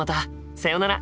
さよなら。